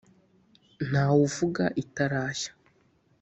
Ntawe uvuga itarashya